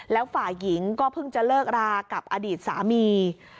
แล้วฝ่ายหญิงก็เพิ่งจะเลิกรากับอดีตสามี